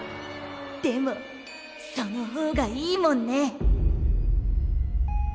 でもそのほうがいいもんね。